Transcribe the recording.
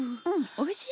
おいしい。